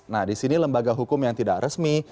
nah disini lembaga hukum yang tidak resmi